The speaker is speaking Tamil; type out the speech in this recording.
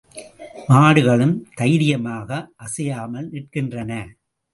மாடுகளும் தைரியமாக அசையாமல் நிற்கின்றன.